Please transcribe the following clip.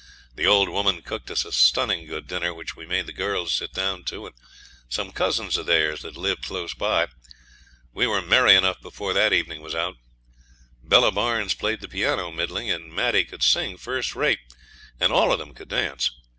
The old woman cooked us a stunning good dinner, which we made the girls sit down to and some cousins of theirs that lived close by. We were merry enough before the evening was out. Bella Barnes played the piano middling, and Maddie could sing first rate, and all of them could dance.